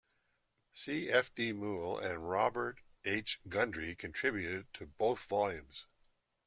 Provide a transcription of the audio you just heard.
C. F. D. Moule and Robert H. Gundry contributed to both volumes.